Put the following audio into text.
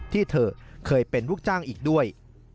ที่เธอเคยเป็นลูกจ้างอีกด้วย